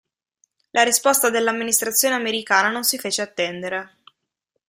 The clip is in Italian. La risposta dell'amministrazione americana non si fece attendere.